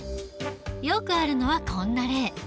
よくあるのはこんな例。